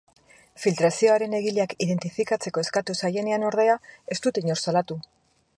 Filtrazioaren egileak identifikatzeko eskatu zaienean, ordea, ez dute inor salatu.